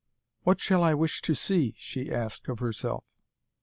'What shall I wish to see?' she asked of herself.